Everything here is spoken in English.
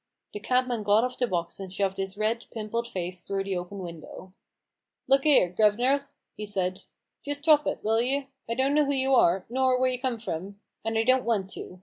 The cabman got off the box and shoved his red, pimpled face through the open window. " Look 'ere, guv'nor !" he said, " just drop it, will you ? I don't know who you are, nor where you come from ; and I don't want to.